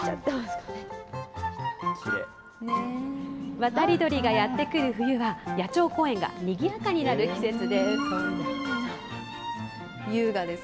渡り鳥がやって来る冬は、野鳥公園がにぎやかになる季節です。